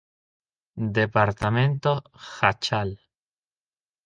Departamento Jáchal